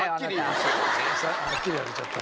はっきり言われちゃった。